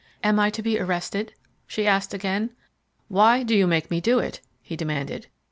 "Am I to be arrested?" she asked again. "Why do you make me do it?" he demanded.